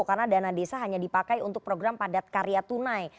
karena dana desa hanya dipakai untuk program padat karya tunai